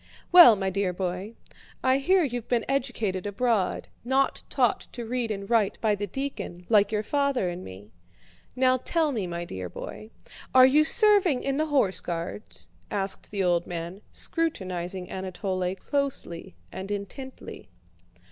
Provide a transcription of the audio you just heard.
"Well, my dear boy, I hear you've been educated abroad, not taught to read and write by the deacon, like your father and me. Now tell me, my dear boy, are you serving in the Horse Guards?" asked the old man, scrutinizing Anatole closely and intently.